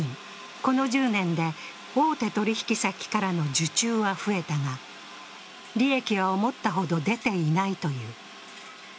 この１０年で大手取引先からの受注は増えたが、利益は思ったほど出ていないという。